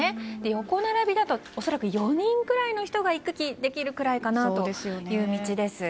横並びだと、恐らく４人ぐらいの人が行き来できるくらいかなという道です。